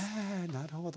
なるほど。